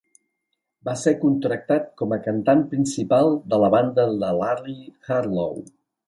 Va ser contractat com a cantant principal de la banda de Larry Harlow.